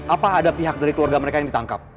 apa ada pihak dari keluarga mereka yang ditangkap